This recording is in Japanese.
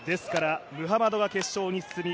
ムハマドが決勝に進み